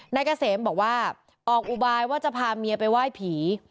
นายเกษมบอกว่าออกอุบายว่าจะพาเมียไปไหว้ผี